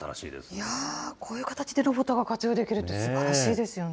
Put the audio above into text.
いやー、こういう形でロボットが活用できるって、すばらしいですよね。